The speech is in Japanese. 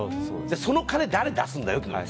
その金、誰が出すんだよって話。